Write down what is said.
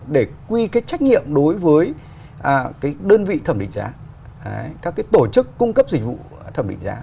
để quy trách nhiệm đối với đơn vị thẩm định giá các tổ chức cung cấp dịch vụ thẩm định giá